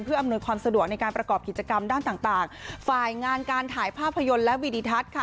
อำนวยความสะดวกในการประกอบกิจกรรมด้านต่างต่างฝ่ายงานการถ่ายภาพยนตร์และวิดิทัศน์ค่ะ